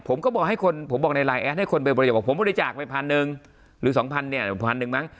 ผมก็บอกให้คนผมบอกในไลน์แอดให้คนไปบริจาคบอกผมบริจาคไปพันหนึ่งหรือสองพันเนี่ยพันหนึ่งมั้ง